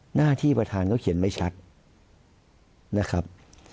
หน้าที่ประธานก็เขียนไม่ชัดนะครับ